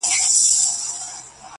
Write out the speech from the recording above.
اولادونه مي له لوږي قتل کېږي.!